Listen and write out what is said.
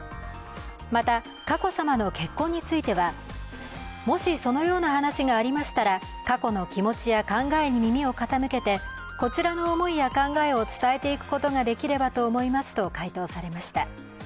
また、佳子さまの結婚については、もしそのような話がありましたら佳子の気持ちや考えに耳を傾けてこちらの思いや考えを伝えていくことができればと思いますと回答されました。